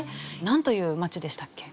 なんという町でしたっけ？